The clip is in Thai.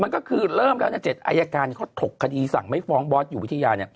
มันก็คือเริ่มแล้ว๗อายการเขาถกคดีสั่งไม่ฟ้องบอสอยู่วิทยา